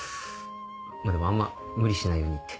でもあんま無理しないように言って。